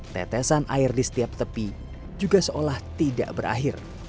tetesan air di setiap tepi juga seolah tidak berakhir